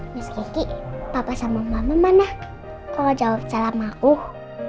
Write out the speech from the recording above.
meski papa sama mama mana kalau jawab salah makuh